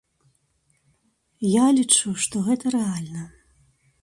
Я лічу, што гэта рэальна.